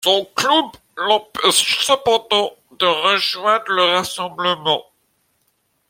Son club l'empêche cependant de rejoindre le rassemblement.